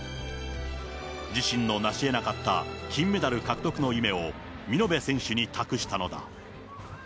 自身の成しえなかった金メダル獲得の夢を見延選手に託したのだ。